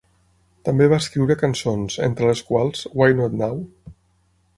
També va escriure cançons, entre les quals "Why Not Now?".